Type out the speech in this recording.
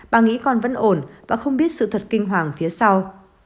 bà nghĩ con vẫn ổn và không biết sự thật kinh hoàng phía sau